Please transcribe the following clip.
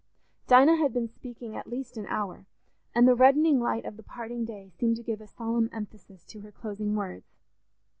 Dinah had been speaking at least an hour, and the reddening light of the parting day seemed to give a solemn emphasis to her closing words.